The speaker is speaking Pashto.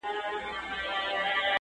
• ستا په سترگو کي سندري پيدا کيږي.